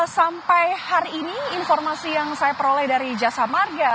sampai hari ini informasi yang saya peroleh dari jasa marga